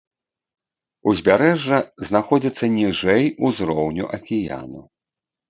Узбярэжжа знаходзіцца ніжэй узроўню акіяну.